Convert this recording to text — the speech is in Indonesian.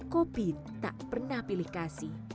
kopi tak pernah pilih kasih